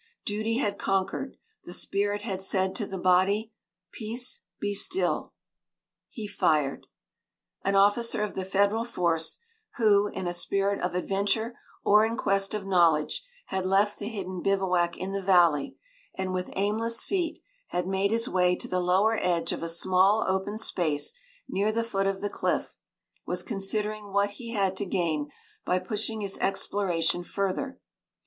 Duty had conquered; the spirit had said to the body: "Peace, be still." He fired. An officer of the Federal force, who, in a spirit of adventure or in quest of knowledge, had left the hidden bivouac in the valley, and, with aimless feet, had made his way to the lower edge of a small open space near the foot of the cliff, was considering what he had to gain by pushing his exploration further.